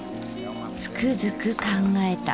つくづく考えた。